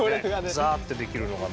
ザーッてできるのがね。